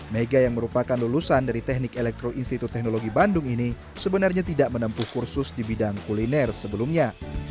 mega yang merupakan lulusan dari teknik elektro institut teknologi bandung ini sebenarnya tidak menempuh kursus di bidang kuliner sebelumnya